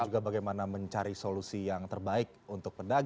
dan juga bagaimana mencari solusi yang terbaik untuk pendagang dan penduduk